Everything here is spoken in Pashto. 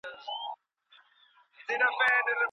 کومي لاري چاري انسان ته د هوسا ژوند ضمانت ورکوي؟